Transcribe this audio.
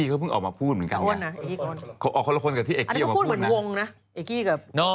เป็นคนเหรอ